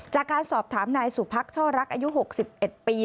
จากการสอบถามนายสุพักช่อรักอายุ๖๑ปี